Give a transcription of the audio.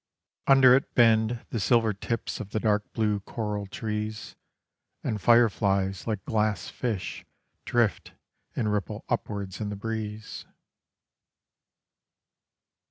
Under it bend the silver tips of the dark blue coral trees, And fireflies like glass fish Drift and ripple upwards in the breeze.